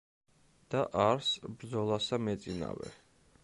და არს ბრძოლასა მეწინავე.